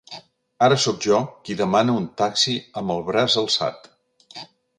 Ara soc jo, qui demana un taxi amb el braç alçat.